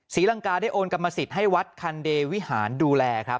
ศรีลังกาได้โอนกรรมสิทธิ์ให้วัดคันเดวิหารดูแลครับ